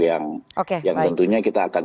yang tentunya kita akan